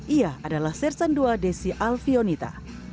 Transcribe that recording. ia adalah sersan ii desi alfionita